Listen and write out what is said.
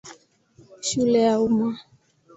Shule ya Umma.